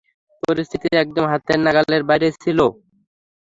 পরিস্থিতি একদম হাতের নাগালের বাইরে ছিলো।